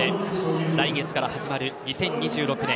来月から始まる２０２６年